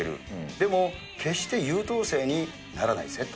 でも、決して優等生にはならないぜと。